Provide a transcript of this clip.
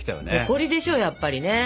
誇りでしょやっぱりね。